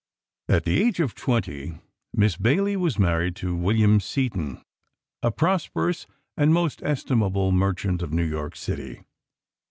At the age of twenty Miss Bayley was married to William Seton, a prosperous and most estimable merchant, of New York city.